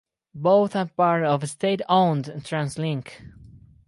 Both are part of state-owned Translink.